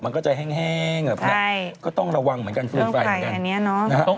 มันก็จะแห้งแบบนี้ก็ต้องระวังเหมือนกันฟืนไฟเหมือนกัน